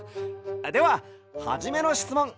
でははじめのしつもん。